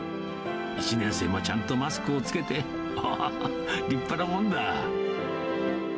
１年生もちゃんとマスクを着けて、おお、立派なもんだ。